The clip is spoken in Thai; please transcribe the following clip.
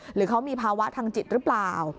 หรือเขามีภาวะทางจิตหรือเปล่า